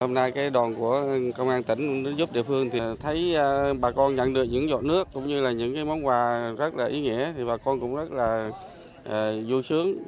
hôm nay cái đòn của công an tỉnh giúp địa phương thì thấy bà con nhận được những giọt nước cũng như là những cái món quà rất là ý nghĩa thì bà con cũng rất là vui sướng